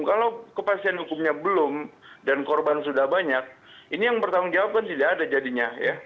kalau kepastian hukumnya belum dan korban sudah banyak ini yang bertanggung jawab kan tidak ada jadinya ya